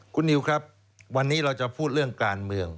คุณนิวครับวันนี้เราจะพูดเรื่องการเมือง